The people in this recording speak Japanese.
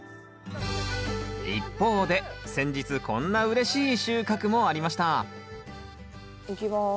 一方で先日こんなうれしい収穫もありましたいきます。